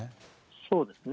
そうですね。